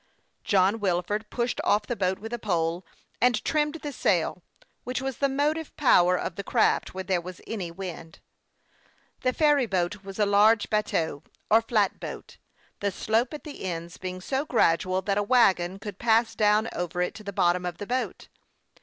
John Wilford pushed off the boat with a pole, and trimmed the sail, which was the motive power of the craft when there was any wind. The ferry boat was a large bateau, or flat boat, the slope at the ends being so gradual that a wagon could pass down over it to the bottom of the boat.